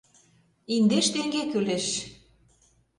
Индеш теҥге кӱлеш.